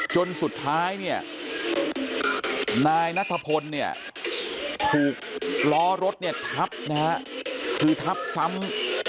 จนสุดท้ายนายนทธพนมีรถทับซ้ำ